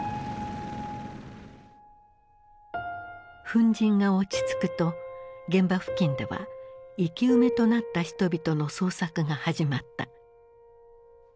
粉じんが落ち着くと現場付近では生き埋めとなった人々の捜索が始まった。